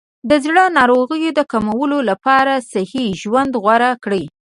د زړه ناروغیو د کمولو لپاره صحي ژوند غوره کړئ.